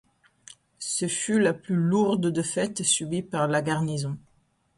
Ce fut la plus lourde défaite subie par la garnison.